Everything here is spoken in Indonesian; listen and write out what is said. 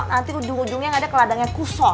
nanti ujung ujungnya gak ada keladangnya kusol